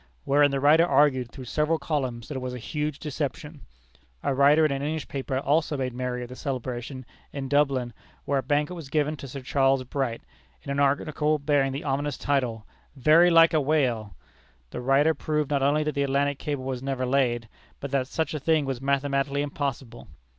wherein the writer argued through several columns that it was a huge deception. A writer in an English paper also made merry of the celebration in Dublin, where a banquet was given to Sir Charles Bright, in an article bearing the ominous title: "Very like a whale!" This writer proved not only that the Atlantic cable was never laid, but that such a thing was mathematically impossible.